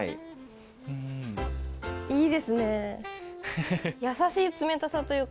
いいですね。